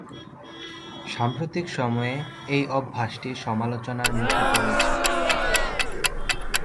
সাম্প্রতিক সময়ে এই অভ্যাসটি সমালোচনার মুখে পড়েছে।